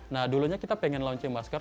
nah dulunya kita pengen launching masker